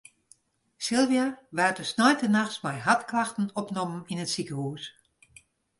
Sylvia waard de sneintenachts mei hartklachten opnommen yn it sikehûs.